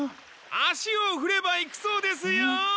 足をふれば行くそうですよ！